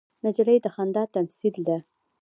نجلۍ د خندا تمثیل ده.